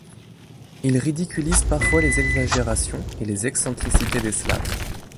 Il ridiculise parfois les exagérations et les excentricités des Slaves.